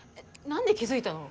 何で気づいたの？